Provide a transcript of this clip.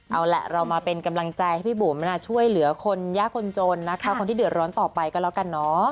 เอาล่ะเรามาเป็นกำลังใจให้พี่บุ๋มช่วยเหลือคนยากคนจนนะคะคนที่เดือดร้อนต่อไปก็แล้วกันเนาะ